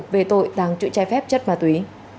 về tội tàng trữ trái phép chất ma túy